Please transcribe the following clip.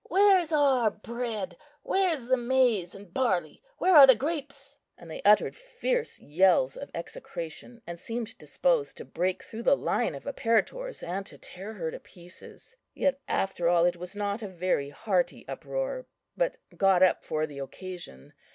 Where's our bread, where's the maize and barley, where are the grapes?" And they uttered fierce yells of execration, and seemed disposed to break through the line of apparitors, and to tear her to pieces. Yet, after all, it was not a very hearty uproar, but got up for the occasion.